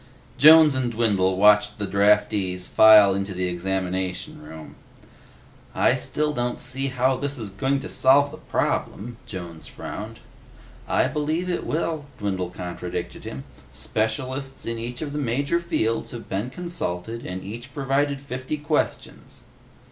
Jones and Dwindle watched the draftees file into the examination room. "I still don't see how this is going to solve the problem," Jones frowned. "I believe it will," Dwindle contradicted him. "Specialists in each of the major fields have been consulted, and each provided fifty questions."